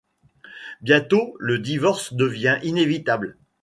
Bientôt, le divorce devient inévitable.